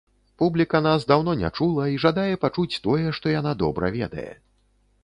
Публіка нас даўно не чула і жадае пачуць тое, што яна добра ведае.